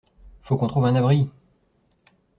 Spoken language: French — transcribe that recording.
Faut qu’on trouve un abri!